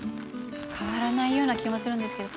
変わらないような気もするんですけど。